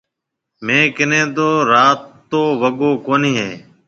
ميه ڪنَي تو راتو وگو ڪونَي هيَ۔